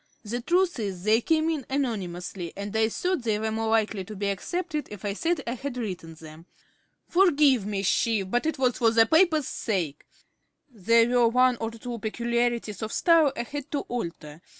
The truth is they came in anonymously, and I thought they were more likely to be accepted if I said I had written them. (With great emotion.) Forgive me, chief, but it was for the paper's sake. (In matter of fact tones.) There were one or two peculiarities of style I had to alter.